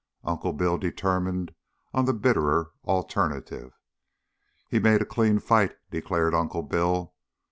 Uncle Bill determined on the bitterer alternative. "He made a clean fight," declared Uncle Bill.